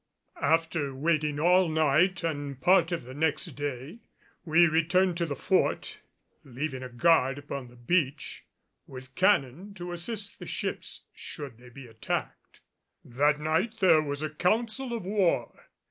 After waiting all night and part of the next day we returned to the Fort, leaving a guard upon the beach, with cannon to assist the ships should they be attacked. That night there was a council of war.